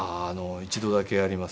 一度だけあります。